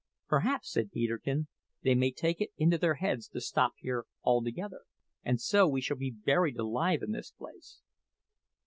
"Perhaps," said Peterkin, "they may take it into their heads to stop here altogether, and so we shall be buried alive in this place."